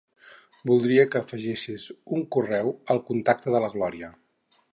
Voldria que afegissis un correu al contacte de la Glòria.